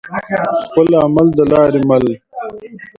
خپل عمل د لارې مل دى.